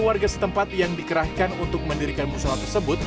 warga setempat yang dikerahkan untuk mendirikan musola tersebut